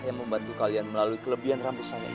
yang membantu kalian melalui kelebihan rambut saya